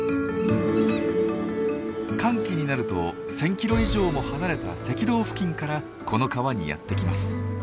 乾季になると１，０００キロ以上も離れた赤道付近からこの川にやって来ます。